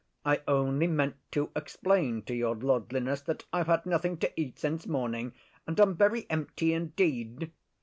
I only meant to explain to Your Lordliness that I've had nothing to eat since morning, and I'm very empty indeed.